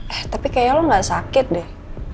eh tapi kayaknya lo gak sakit deh